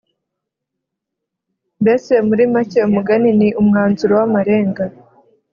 Mbese muri make umugani ni umwanzuro w’amarenga